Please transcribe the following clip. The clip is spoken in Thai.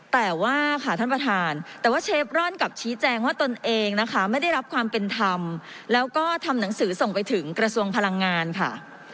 แต่ว่าค่ะท่านประธานแต่ว่าเชฟร่อนกลับชี้แจงว่าตนเองนะคะไม่ได้รับความเป็นธรรมแล้วก็ทำหนังสือส่งไปถึงกระทรวงพลังงานค่ะ